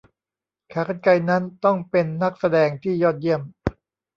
ขากรรไกรนั้นต้องเป็นนักแสดงที่ยอดเยี่ยม